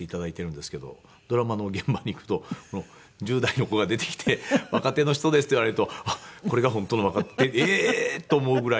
ドラマの現場に行くと１０代の子が出てきて若手の人ですって言われると「あっこれが本当の若手ええー！」と思うぐらい。